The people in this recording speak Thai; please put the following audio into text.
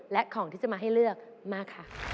และของที่จะมาให้เลือกมาค่ะ